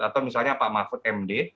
atau misalnya pak mahfud md